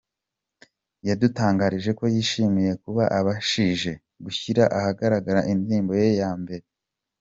com, yadutangarije ko yishimiye kuba abashije gushyira ahagaragara indirimbo ye ya mbere.